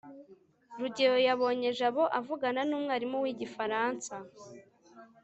rugeyo yabonye jabo avugana numwarimu wigifaransa